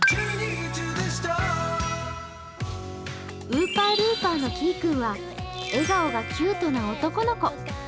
ウーパールーパーのきーくんは笑顔がキュートな男の子。